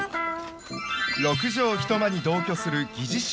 ６畳一間に同居する疑似姉妹。